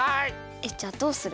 えっじゃあどうする？